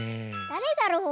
だれだろう？